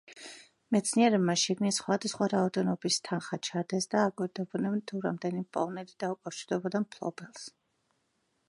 მეცნიერებმა შიგნით სხვადასხვა რაოდენობის თანხა ჩადეს და აკვირდებოდნენ, თუ რამდენი მპოვნელი დაუკავშირდებოდა მფლობელს.